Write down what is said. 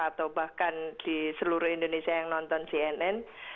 atau bahkan di seluruh indonesia yang nonton cnn